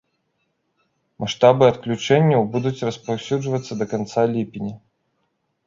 Маштабы адключэнняў будуць распаўсюджвацца да канца ліпеня.